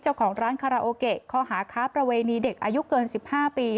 เจ้าของร้านคาราโอเกะข้อหาค้าประเวณีเด็กอายุเกิน๑๕ปี